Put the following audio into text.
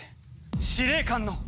司令官の！